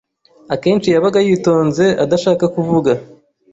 akenshi yabaga yitonze adashaka kuvuga